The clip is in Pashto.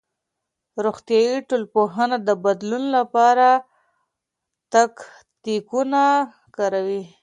روغتيائي ټولنپوهنه د بدلون لپاره تکتيکونه کاروي.